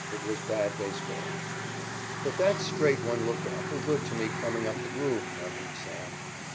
It was bad baseball." "But that straight one looked awful good to me coming up the 'groove,'" argued Sam.